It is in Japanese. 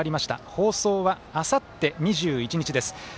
放送は、あさって２１日です。